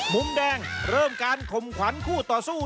มุมแดงเริ่มการข่มขวัญคู่ต่อสู้